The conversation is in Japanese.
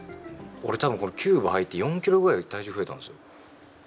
俺たぶん、このＣＵＢＥ入って４キロぐらい体重増えたんですよ。